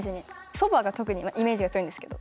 そばが特にイメージが強いんですけど。